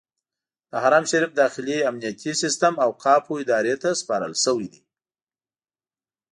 د حرم شریف داخلي امنیتي سیستم اوقافو ادارې ته سپارل شوی دی.